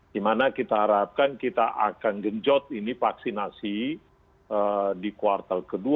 dimana kita harapkan kita akan genjot ini vaksinasi di kuartal kedua